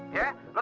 ya lo tenang